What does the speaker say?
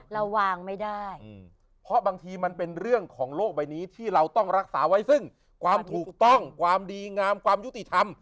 เราวางไม่ได้เพราะบางทีมันเป็นเรื่องของโลกใบนี้ที่เราต้องรักษาไว้ซึ่งความถูกต้องความดีงามความยุติธรรม